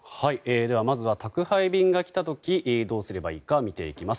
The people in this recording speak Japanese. まずは宅配便が来た時どうすればいいか見ていきます。